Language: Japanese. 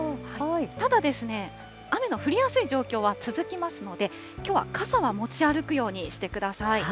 ただ、雨の降りやすい状況は続きますので、きょうは傘は持ち歩くようにしてください。